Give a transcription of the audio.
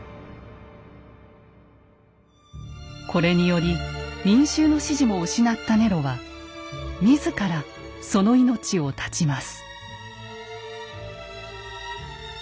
これにより民衆の支持も失ったネロは自らその命を絶ちます。